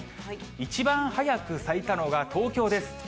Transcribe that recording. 一番早く咲いたのが東京です。